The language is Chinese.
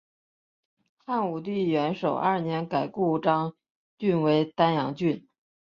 汉武帝元狩二年改故鄣郡为丹阳郡。